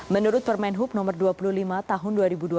menurut permen hub nomor dua puluh lima tahun dua ribu dua puluh